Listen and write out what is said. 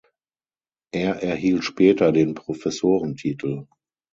Er erhielt später den Professorentitel.